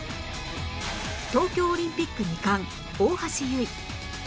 東京オリンピック２冠大橋悠依